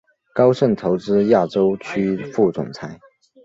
高盛投资亚洲区副总裁。